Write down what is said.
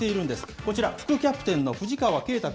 こちら、副キャプテンの藤川慶大君。